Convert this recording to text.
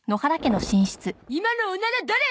今のおなら誰！？